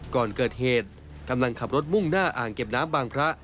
ก่อนเกิดเหตุกำลังขับรถมุ่งหน้าอ่างเก็บน้ำบางพระ